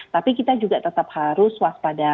tapi kita juga tetap harus waspada